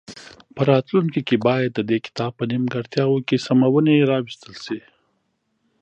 په راتلونکي کې باید د دې کتاب په نیمګړتیاوو کې سمونې راوستل شي.